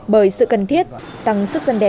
bởi sự cần thiết tăng sức dân đe